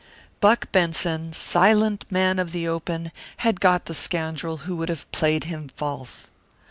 Buck Benson, silent man of the open, had got the scoundrel who would have played him false.